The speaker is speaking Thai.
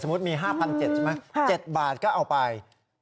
สมมุติมี๕๗๐๐บาทใช่ไหม๗บาทก็เอาไป